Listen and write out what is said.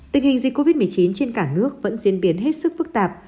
tình hình dịch covid một mươi chín trên cả nước vẫn diễn biến hết sức phức tạp